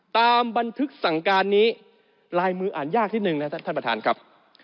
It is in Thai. ตามบันทึกสั่งการนี้ลายมืออ่านยากนิดนึงนะครับท่านประธานครับ